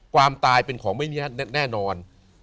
ความตายเป็นของไม่แน่นอน